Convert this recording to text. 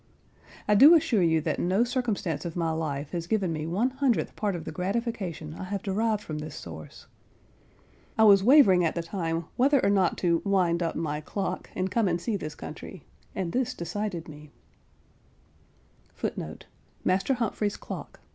I do assure you that no circumstance of my life has given me one hundredth part of the gratification I have derived from this source. I was wavering at the time whether or not to wind up my Clock, and come and see this country, and this decided me.